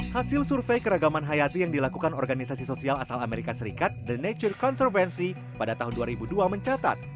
hasil survei keragaman hayati yang dilakukan organisasi sosial asal amerika serikat the nature conservasi pada tahun dua ribu dua mencatat